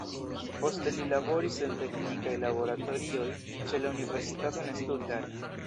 Poste li laboris en teknikaj laboratorioj ĉe la universitato en Stuttgart.